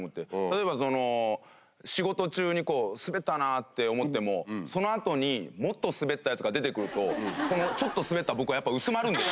例えば仕事中に「スベったな」って思ってもその後にもっとスベったヤツが出て来るとちょっとスベった僕はやっぱ薄まるんです。